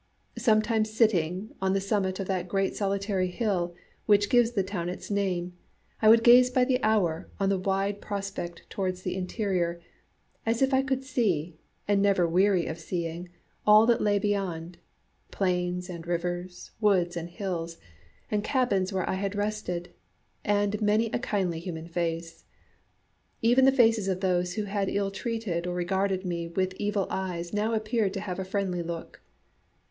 Sometimes sitting on the summit of that great solitary hill, which gives the town its name, I would gaze by the hour on the wide prospect towards the interior, as if I could see, and never weary of seeing, all that lay beyond plains and rivers and woods and hills, and cabins where I had rested, and many a kindly human face. Even the faces of those who had ill treated or regarded me with evil eyes now appeared to have a friendly look.